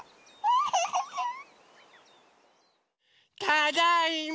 ただいま！